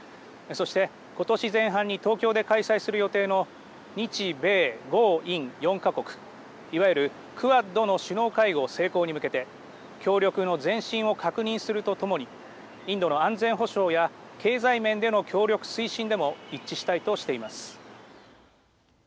そして、ことし前半に東京で開催する予定の日米豪印４か国、いわゆるクアッドの首脳会合成功に向けて協力の前進を確認するとともにインドの安全保障や経済面での協力推進でも一致したいとしています。